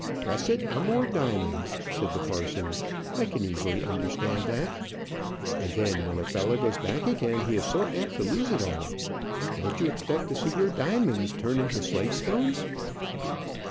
"Crescit amor diamonds!" said the parson. "I can easily understand that. And then, when a fellow goes back again, he is so apt to lose it all. Don't you expect to see your diamonds turn into slate stones?"